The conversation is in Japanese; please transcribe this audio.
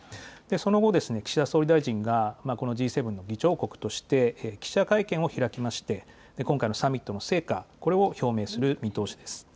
その後、岸田総理大臣がこのＧ７の議長国として、記者会見を開きまして、今回のサミットの成果、これを表明する見通しです。